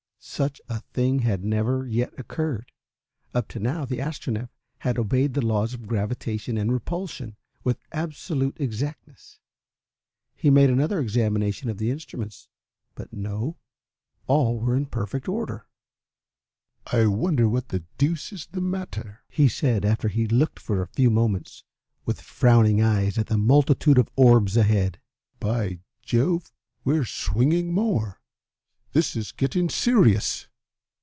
Such a thing had never yet occurred. Up to now the Astronef had obeyed the laws of gravitation and repulsion with absolute exactness. He made another examination of the instruments; but no, all were in perfect order. "I wonder what the deuce is the matter," he said, after he had looked for a few moments with frowning eyes at the multitude of orbs ahead. "By Jove, we're swinging more. This is getting serious."